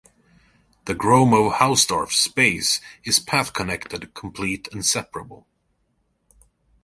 The Gromov-Hausdorff space is path-connected, complete, and separable.